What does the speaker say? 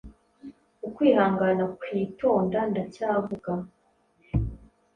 Ukwihangana, kwitonda Ndacyavuga